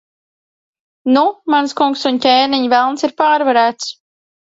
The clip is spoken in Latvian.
Nu, mans kungs un ķēniņ, Velns ir pārvarēts.